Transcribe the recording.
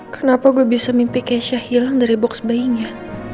kenapa gue bisa mimpi keisha hilang dari box bayinya